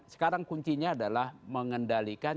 sekarang kuncinya adalah mengendalikan